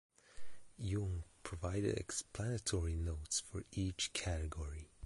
Young provided explanatory notes for each category.